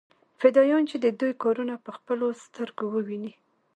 فدايان چې د دوى کارونه په خپلو سترګو وويني.